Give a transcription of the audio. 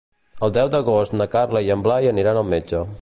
El deu d'agost na Carla i en Blai aniran al metge.